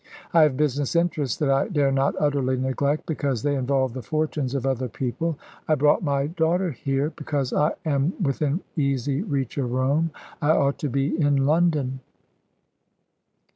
I have business interests that I dare not utterly neglect, because they involve the fortunes of other people. I brought my daughter here, because I am within easy reach of Rome. I ought to be in London."